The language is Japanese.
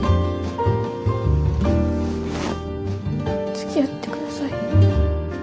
つきあって下さい。